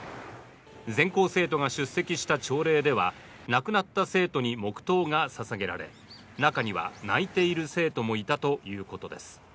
全校生徒が出席した朝礼では亡くなった生徒に黙とうが捧げられ中には、泣いている生徒もいたということです。